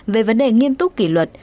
về vấn đề nghiêm túc kỷ luật